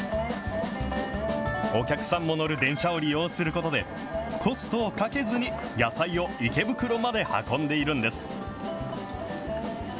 お客さんも乗る電車を利用することで、コストをかけずに、野菜を池袋まで運んでいるんです。